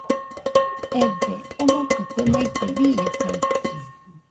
Ebee, omokɨ kue maite, bɨñokaɨɨɨ